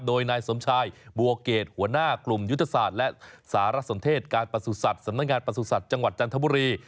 โดยนายสมชายบัวเกรดหัวหน้ากลุ่มยุทธศาสตร์และสารสนเทศการประสุทธิ์สำนักงานประสุทธิ์จังหวัดจันทบุรี